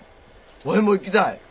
ワイも行きたい！